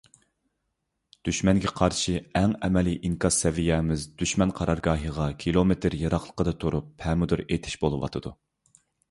دۈشمەنگە قارشى ئەڭ ئەمەلىي ئىنكاس سەۋىيەمىز دۈشمەن قارارگاھىغا كىلومېتىر يىراقلىقىدا تۇرۇپ «پەمىدۇر ئېتىش» بولۇۋاتىدۇ.